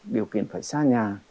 điều kiện phải xa nhà